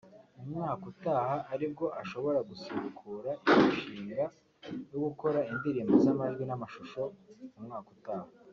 mu mwaka utaha aribwo ashobora gusubukura imishinga yo gukora indirimbo z’amajwi n’amashusho umwaka utaha